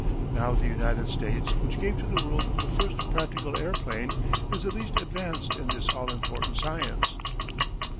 Now the United States which gave to the world the first practical airplane is the least advanced in this all important science."